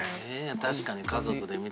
確かに。